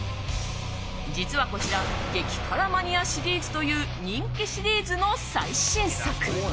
実はこちら激辛マニアシリーズという人気シリーズの最新作。